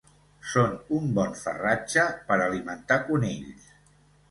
Són un bon farratge per alimentar conills.